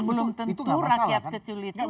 belum tentu rakyat kecil itu